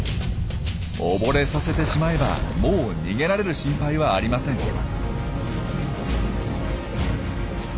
溺れさせてしまえばもう逃げられる心配はありません。